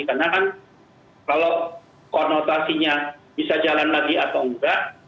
karena kan kalau konotasinya bisa jalan lagi atau enggak